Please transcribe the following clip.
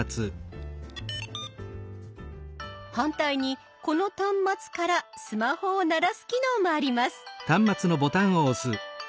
反対にこの端末からスマホを鳴らす機能もあります。